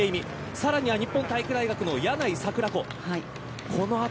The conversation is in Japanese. さらに日本体育大学の柳井桜子。